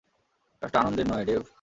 কাজটা আনন্দের নয়, ডেভ।